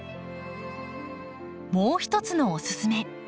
もう一つのお勧め。